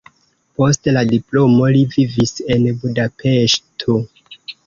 Post la diplomo li vivis en Budapeŝto.